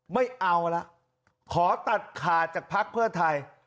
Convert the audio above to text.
ไม่เอาละขอตัดขาดจากภักดิ์เพื่อไทย